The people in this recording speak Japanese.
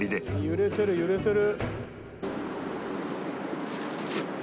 揺れてる揺れてる。